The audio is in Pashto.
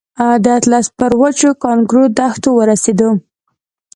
د اطلس پر وچو کانکرو دښتو ورسېدو.